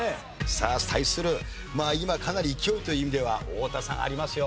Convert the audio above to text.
さあ対する今かなり勢いという意味では太田さんありますよ。